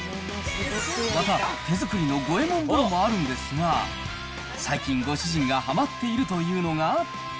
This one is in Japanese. また手作りの五右衛門風呂もあるんですが、最近、ご主人がはまっているというのが。